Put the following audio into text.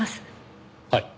はい。